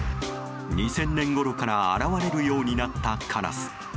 ２０００年ごろから現れるようになったカラス。